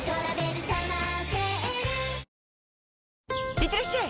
いってらっしゃい！